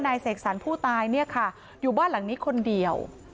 นายเสกสรรผู้ตายอยู่บ้านหลังนี้คนเดียว